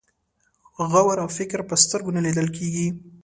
غور او فکر په سترګو نه لیدل کېږي.